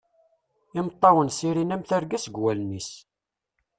Imeṭṭawen serrin am terga seg wallen-is.